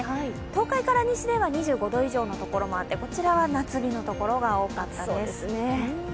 東海から西では２５度以上のところもあってこちらは夏日のところが多かったです。